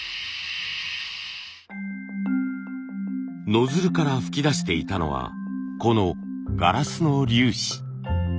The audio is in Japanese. ノズルから噴き出していたのはこのガラスの粒子。